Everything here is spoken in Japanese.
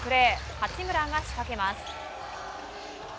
八村が仕掛けます。